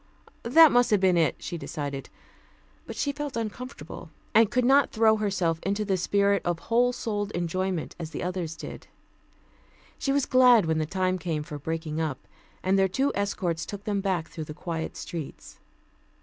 That must have been it, she decided. But she felt uncomfortable, and could not throw herself into the spirit of whole souled enjoyment as the others did. She was glad when the time came for breaking up, and their two escorts took them back through the quiet streets.